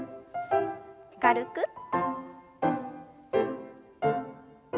軽く。